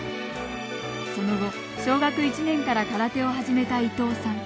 その後、小学１年から空手を始めた伊藤さん。